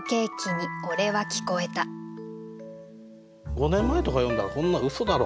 ５年前とか読んだら「こんなんうそだろ？」